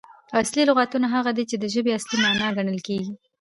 اصلي لغاتونه هغه دي، چي د ژبي اصلي مال ګڼل کیږي.